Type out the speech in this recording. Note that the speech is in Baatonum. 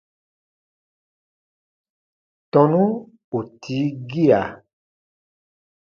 Tɔnu ù tii gia.